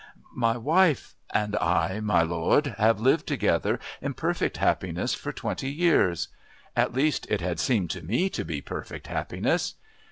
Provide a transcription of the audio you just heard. "My wife and I, my lord, have lived together in perfect happiness for twenty years. At least it had seemed to me to be perfect happiness.